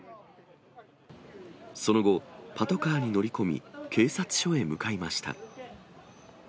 その後、パトカーに乗り込み、警察署へ向かいました。